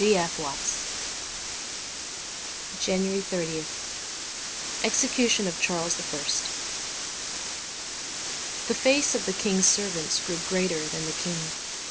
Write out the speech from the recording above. ' G. F. Watts.' 30 JANUARY 30th EXECUTION OF CHARLES I THE face of the King's servants grew greater than the King.